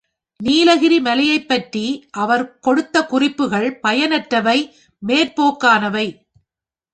நீலகிரி மலையைப் பற்றி அவர் கொடுத்த குறிப்புகள் பயனற்றவை மேற்போக்கானவை.